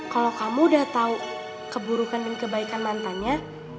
kalau kamu udah tahu keburukan dan kebaikan mantannya